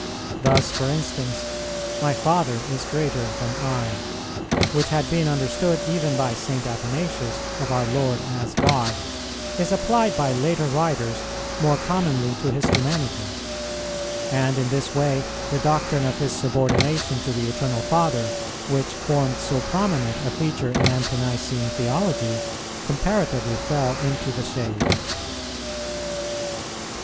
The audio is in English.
Thus, for instance, "My Father is greater than I," which had been understood even by St. Athanasius of our Lord as God, is applied by later writers more commonly to His humanity; and in this way the doctrine of His subordination to the Eternal Father, which formed so prominent a feature in Ante nicene theology, comparatively fell into the shade.